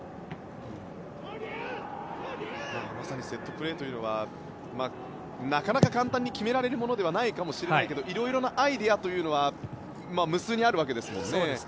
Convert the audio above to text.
セットプレーはなかなか簡単に決められるものではないかもしれないけどいろいろなアイデアというのは無数にあるわけですものね。